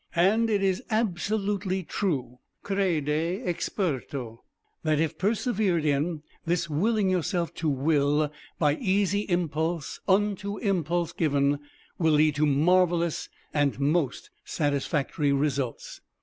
And it is absolutely true crede experto that if persevered in, this willing yourself to will by easy impulse unto impulse given, will lead to marvelous and most satisfactory results.